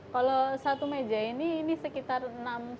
kalau satu meja ini ini sekitar enam sampai tujuh kilo